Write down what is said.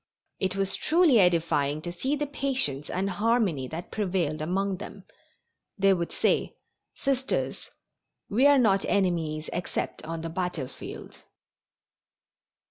It was truly edifying to see the patience and harmony that prevailed among them. They would say: "Sisters, we are not enemies except on the battlefield."